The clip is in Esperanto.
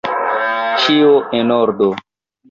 Ĉio en ordo!